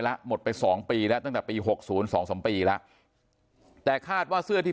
แล้วหมดไป๒ปีแล้วตั้งแต่ปี๖๐๒๓ปีแล้วแต่คาดว่าเสื้อที่